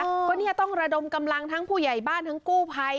ก็เนี่ยต้องระดมกำลังทั้งผู้ใหญ่บ้านทั้งกู้ภัย